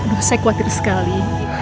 aduh saya khawatir sekali